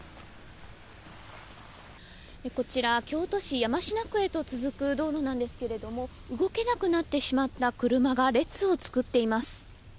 こちら、京都市山科区へと続く道路なんですけれども、動けなくなってしまった車が列を作っています。